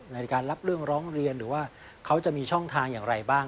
ในการรับเรื่องร้องเรียนหรือว่าเขาจะมีช่องทางอย่างไรบ้าง